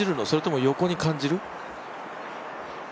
それとも横に感じる？